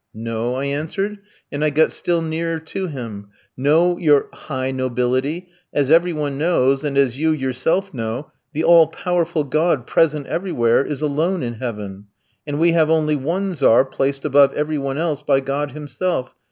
"'No,' I answered, and I got still nearer to him; 'no, your "high nobility," as every one knows, and as you yourself know, the all powerful God present everywhere is alone in heaven. And we have only one Tzar placed above every one else by God himself.